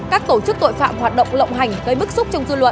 các tổ chức tội phạm hoạt động lộng hành gây bức xúc trong dư luận